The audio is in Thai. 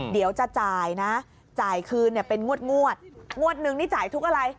เดี๋ยวจะจ่ายนะจ่ายคืนเนี่ยเป็นงวดงวดนึงนี่จ่ายทุกอะไร